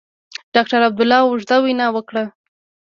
ډاکټر عبدالله اوږده وینا وکړه.